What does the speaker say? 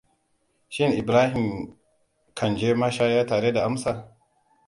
Shin Ibrahim kan je mashaya tare da Amsa?